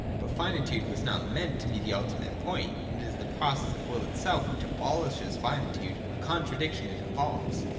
But finitude was not meant to. be the ultimate point: and it. is the process of Will itself which abolishes finitude and the contradiction it involves.